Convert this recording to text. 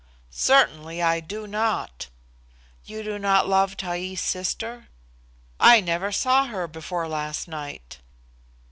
"Certainly, I do not." "You do not love Taee's sister?" "I never saw her before last night."